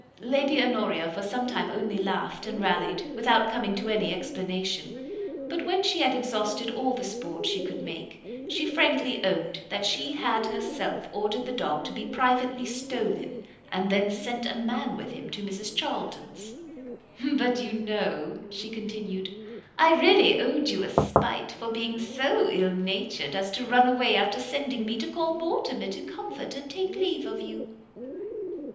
Lady Honoria for some time only laughed and rallied, without coming to any explanation; but when she had exhausted all the sport she could make, she frankly owned that she had herself ordered the dog to be privately stolen, and then sent a man with him to Mrs Charlton's. "But you know," she continued, "I really owed you a spite for being so ill natured as to run away after sending me to call Mortimer to comfort and take leave of you."